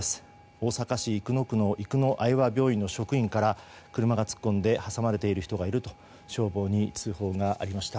大阪市生野区の生野愛和病院の職員から車が突っ込んで挟まれている人がいると消防に通報がありました。